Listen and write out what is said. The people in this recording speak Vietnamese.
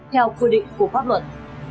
theo quy định của pháp luật